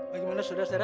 bagaimana sudah sedara